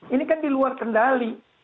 ini kan diluar kendali